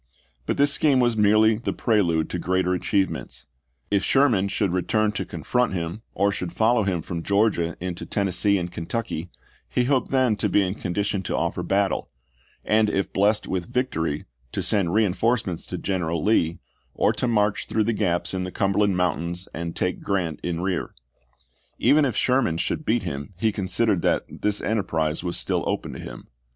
But this scheme was merely the prelude to greater achievements; if Sherman should return to con front him or should follow him from Georgia into Tennessee and Kentucky he hoped then to be in condition to offer battle, and if blest with victory, to send reenf orcements to General Lee, or to march through the gaps in the Cumberland Mountains and take Grant in rear ; even if Sherman should beat him he considered that this enterprise was still open to him.